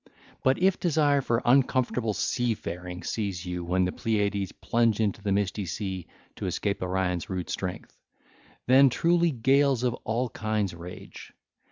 (ll. 618 640) But if desire for uncomfortable sea faring seize you; when the Pleiades plunge into the misty sea 1333 to escape Orion's rude strength, then truly gales of all kinds rage.